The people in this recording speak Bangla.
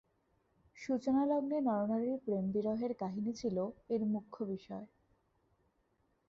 সূচনালগ্নে নরনারীর প্রেমবিরহের কাহিনী ছিল এর মুখ্য বিষয়।